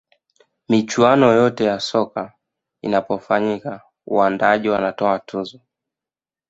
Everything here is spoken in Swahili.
michuano yote ya soka inapofanyika waandaaji wanatoa tuzo